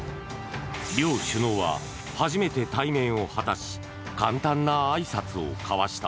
両首脳は初めて対面を果たし簡単なあいさつを交わした。